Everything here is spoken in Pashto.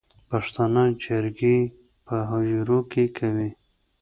پښتانه جرګې په حجرو کې کوي